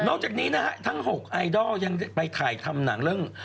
จากนี้นะฮะทั้ง๖ไอดอลยังได้ไปถ่ายทำหนังเรื่อง